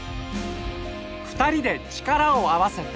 二人で力を合わせて